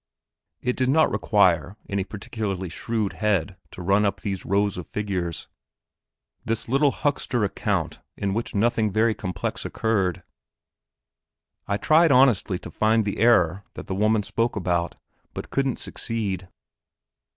It did not require any particularly shrewd head to run up these rows of figures this little huckster account in which nothing very complex occurred. I tried honestly to find the error that the woman spoke about, but couldn't succeed.